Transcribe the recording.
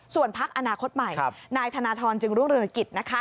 ส่วนภักดิ์อนาคตใหม่นายธนทร์ลูกธนกิจ